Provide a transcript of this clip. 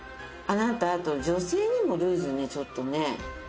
あなたあと女性にもルーズねちょっとね。